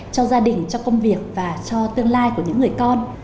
cho gia đình cho công việc và cho tương lai của những người con